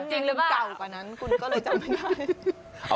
เก่ากว่านั้นคุณก็เลยจำไม่ได้